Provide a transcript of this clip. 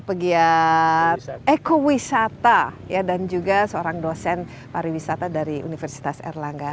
pegiat ekowisata dan juga seorang dosen pariwisata dari universitas erlangga